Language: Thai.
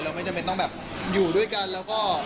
ไม่จำเป็นต้องแบบอยู่ด้วยกันแล้วก็